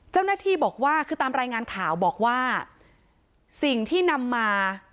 เจ้าหน้าที่บอกว่าคือตามรายงานข่าวบอกว่าสิ่งที่นำมา